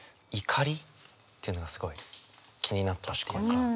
「怒り」っていうのがすごい気になったっていうか。